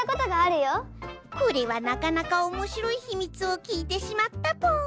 これはなかなかおもしろいひみつを聞いてしまったぽん。